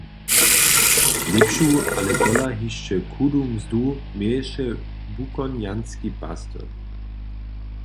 Lěpšu, ale tola hišće chudu mzdu měješe Bukojnjanski pastyr.